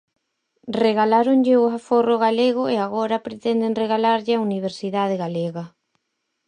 Regaláronlle o aforro galego e agora pretenden regalarlle a universidade galega.